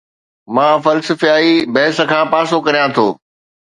مان فلسفياڻي بحث کان پاسو ڪريان ٿو